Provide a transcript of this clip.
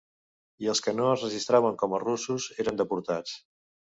I els que no es registraven com a russos eren deportats.